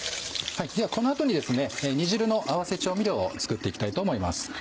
この後に煮汁の合わせ調味料を作って行きたいと思います。